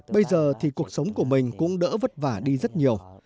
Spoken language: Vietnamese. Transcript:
bây giờ thì cuộc sống của mình cũng đỡ vất vả đi rất nhiều